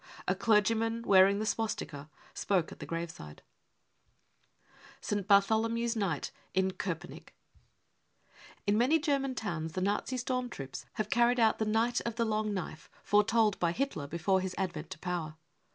A clergyman wearing the swastika spoke at the graveside. 99 St. Bartholomew's Night in Kopenick. In many ' German towns the Nazi storm troops have carried out 330 BROWN BOOK OF THE HITLER TERROR the <e night of the long knife 99 foretold by Hitler before his advent to power.